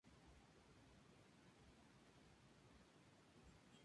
Actualmente reside en Burbank, California.